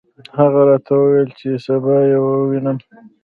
هغه راته وویل چې سبا یې ووینم.